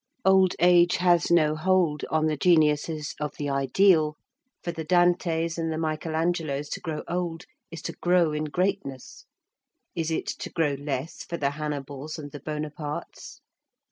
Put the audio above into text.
Old age has no hold on the geniuses of the ideal; for the Dantes and Michael Angelos to grow old is to grow in greatness; is it to grow less for the Hannibals and the Bonapartes?